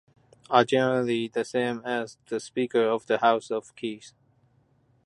Are generally the same as the Speaker of the House of Keys.